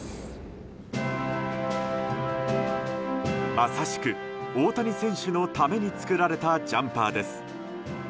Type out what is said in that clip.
まさしく大谷選手のために作られたジャンパーです。